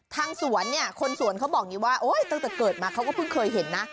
ทางสวนเนี่ยคนสวนเขาบอกอย่างนี้ว่าตั้งแต่เกิดมาเขาก็เพิ่งเคยเห็นนะ